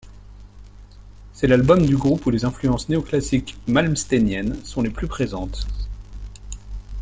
C'est l'album du groupe où les influences néo-classiques malmsteeniennes sont les plus présentes.